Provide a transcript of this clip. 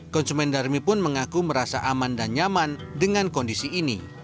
konsumen darmi pun mengaku merasa aman dan nyaman dengan kondisi ini